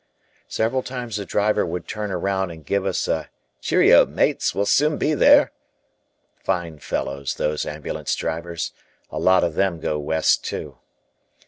Several times the driver would turn around and give us a "Cheero, mates, we'll soon be there " fine fellows, those ambulance drivers, a lot of them go West too.